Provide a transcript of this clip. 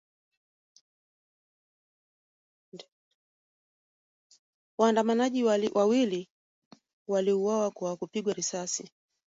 Waandamanaji wawili waliuawa kwa kupigwa risasi